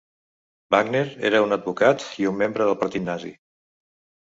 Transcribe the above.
Wagner era un advocat i un membre del partit nazi.